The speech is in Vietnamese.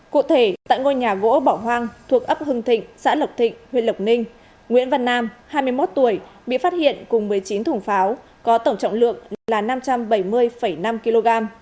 cụ thể tại ngôi nhà gỗ bỏ hoang thuộc ấp hưng thịnh xã lộc thịnh huyện lộc ninh nguyễn văn nam hai mươi một tuổi bị phát hiện cùng một mươi chín thùng pháo có tổng trọng lượng là năm trăm bảy mươi năm kg